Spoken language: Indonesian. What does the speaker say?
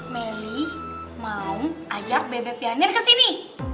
meli mau ajak bebe pianin ke sini